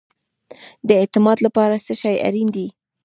د اعتماد لپاره څه شی اړین دی؟